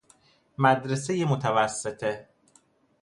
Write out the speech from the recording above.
مدرسۀ متوسطه